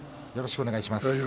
よろしくお願いします。